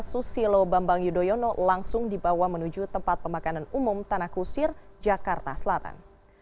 susilo bambang yudhoyono langsung dibawa menuju tempat pemakanan umum tanah kusir jakarta selatan